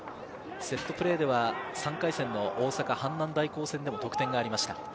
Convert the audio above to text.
セットプレーでは３回戦の大阪阪南大高戦でも得点がありました。